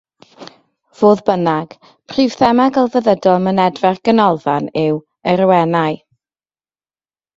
Fodd bynnag, prif thema gelfyddydol mynedfa'r Ganolfan yw “Yr Awenau”.